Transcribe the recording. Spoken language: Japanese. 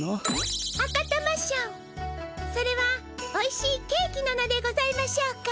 それはおいしいケーキの名でございましょうか？